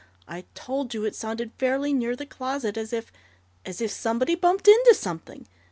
"I told you it sounded fairly near the closet, as if as if somebody bumped into something.